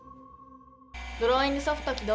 ドローイングソフト起動。